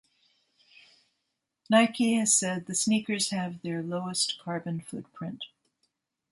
Nike has said the sneakers have their lowest carbon footprint.